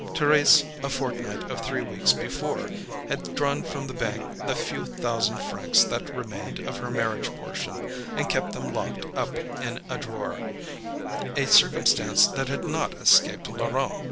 Thérèse, a fortnight or three weeks before, had drawn from the bank the few thousand francs that remained of her marriage portion, and kept them locked up in a drawer a circumstance that had not escaped Laurent.